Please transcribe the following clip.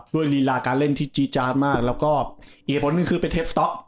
ลีลาการเล่นที่จี๊จาดมากแล้วก็อีกผลหนึ่งคือเป็นเทปสต๊อก